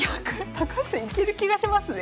高橋さんいける気がしますね。